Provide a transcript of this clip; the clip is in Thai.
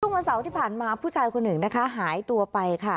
วันเสาร์ที่ผ่านมาผู้ชายคนหนึ่งนะคะหายตัวไปค่ะ